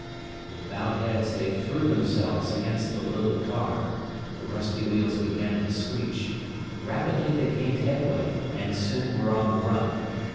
With bowed heads they threw themselves against the little car, the rusty wheels began to screech; rapidly they gained headway, and soon were on the run.